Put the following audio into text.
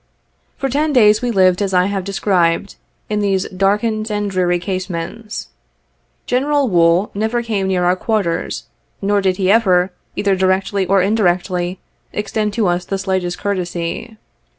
For ten days we lived as I have described, in these dark ened and dreary casemates. General Wool never came near our quarters, nor did he ever, either directly or indirectly, extend to us the slightest courtesy.